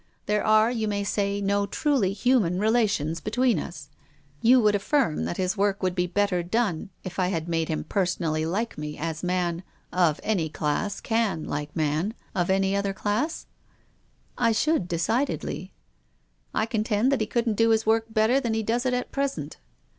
There are, you may say, no truly human relations between us. You would afifirm that his work would be better done if I had made him personally like me as man — of any class — can like man — of any other class? "" I should, decidedly." " I contend that he couldn't do his work better than he does it at present."